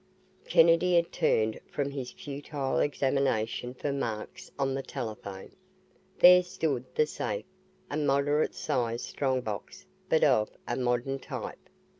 ........ Kennedy had turned from his futile examination for marks on the telephone. There stood the safe, a moderate sized strong box but of a modern type.